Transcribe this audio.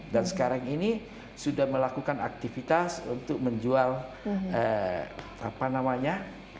dan sekarang ini sudah melakukan aktivitas untuk menjual apa namanya